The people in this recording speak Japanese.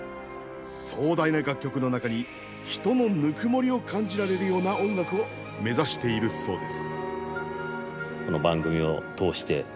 壮大な楽曲の中に人のぬくもりを感じられるような音楽を目指しているそうです。